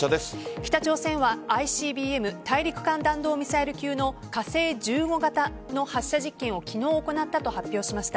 北朝鮮はＩＣＢＭ＝大陸間弾道ミサイル級の火星１５型の発射実験を昨日行ったと発表しました。